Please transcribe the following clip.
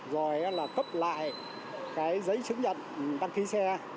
rồi cấp lại giấy chứng nhận đăng ký xe